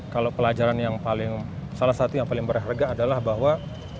kalau pelajaran yang paling salah satu yang paling berharga adalah bahwa